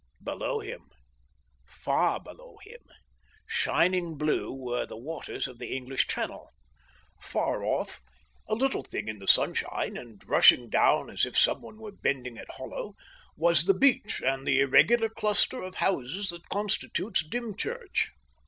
Below him, far below him, shining blue, were the waters of the English Channel. Far off, a little thing in the sunshine, and rushing down as if some one was bending it hollow, was the beach and the irregular cluster of houses that constitutes Dymchurch.